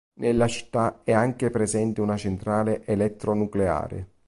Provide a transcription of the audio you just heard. Nella città è anche presente una centrale elettronucleare.